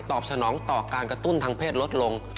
สนองต่อการกระตุ้นทางเพศลดลง